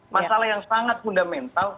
masalah yang sangat fundamental